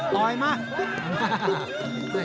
ต่อยมา